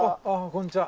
こんにちは。